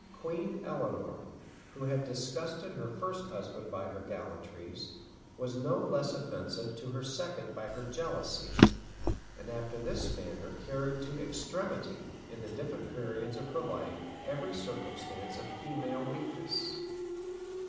Queen Eleanor, who had disgusted her first husband by her gallantries, was no less offensive to her second by her jealousy; and after this manner carried to extremity, in the different periods of her life, every circumstance of female weakness.